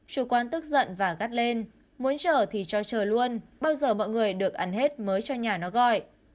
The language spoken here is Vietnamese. chủ quan tức giận và gắt lên muốn chờ thì cho trời luôn bao giờ mọi người được ăn hết mới cho nhà nó gọi